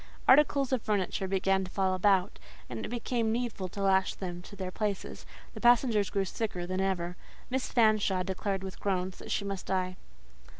Articles of furniture began to fall about, and it became needful to lash them to their places; the passengers grew sicker than ever; Miss Fanshawe declared, with groans, that she must die.